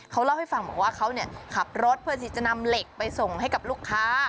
เขาเล่าให้ฟังบอกว่าเขาขับรถเพื่อที่จะนำเหล็กไปส่งให้กับลูกค้า